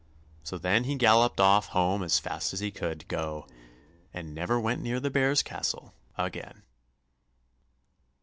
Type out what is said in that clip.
So then he galloped off home as fast as he could go, and never went near the bears' castle again.